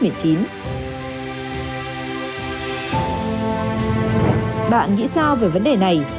bạn nghĩ sao về vấn đề này